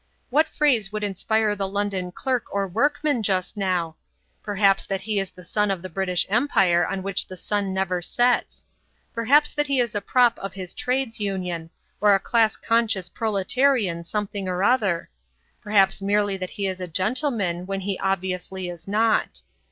What phrase would inspire the London clerk or workman just now? Perhaps that he is a son of the British Empire on which the sun never sets; perhaps that he is a prop of his Trades Union, or a class conscious proletarian something or other; perhaps merely that he is a gentleman when he obviously is not.